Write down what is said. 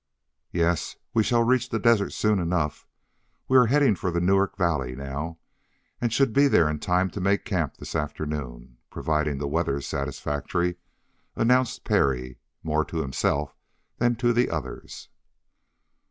"Yes, we shall reach the desert soon enough. We are heading for the Newark Valley now, and should be there in time to make camp this afternoon, providing the weather is satisfactory," announced Parry, more to himself than to the others.